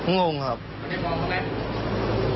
งงไหม